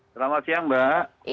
selamat siang mbak